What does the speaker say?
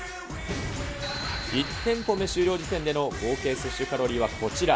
１店舗目終了時点での合計摂取カロリーはこちら。